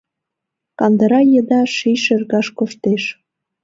Кандыра еда ший шергаш коштеш.